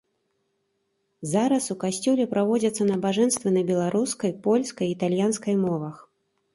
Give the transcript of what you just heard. Зараз у касцёле праводзяцца набажэнствы на беларускай, польскай і італьянскай мовах.